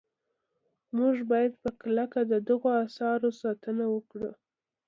موږ باید په کلکه د دغو اثارو ساتنه وکړو.